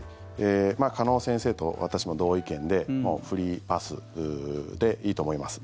鹿野先生と私も同意見でフリーパスでいいと思います。